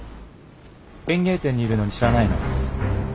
園芸店にいるのに知らないの？